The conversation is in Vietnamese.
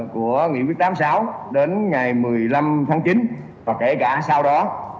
của nghị quyết tám mươi sáu đến ngày một mươi năm tháng chín và kể cả sau đó